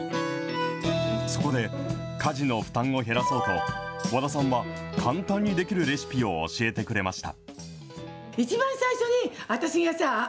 そこで、家事の負担を減らそうと、和田さんは簡単にできるレシピを教えてくれました。